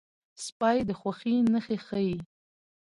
سپي د خوښۍ نښې ښيي.